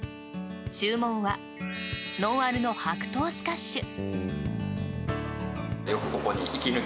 注文はノンアルの白桃スカッシュ。